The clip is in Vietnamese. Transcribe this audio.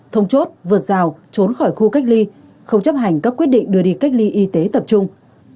thông chốt vượt rào trốn khỏi khu cách ly không chấp hành các quyết định đưa đi cách ly y tế tập trung